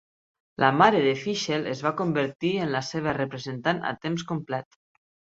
La mare de Fishel es va convertir en la seva representant a temps complet.